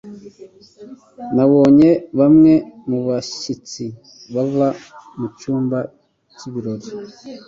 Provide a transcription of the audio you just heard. Nabonye bamwe mu bashyitsi bava mu cyumba cy'ibirori.